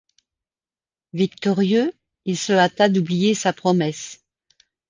Victorieux, il se hâta d'oublier sa promesse.